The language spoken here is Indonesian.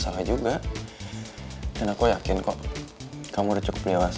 salah juga dan aku yakin kok kamu udah cukup milas